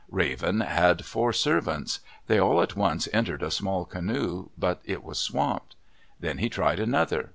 Raven had four servants. They all at once entered a small canoe, but it was swamped. Then he tried another.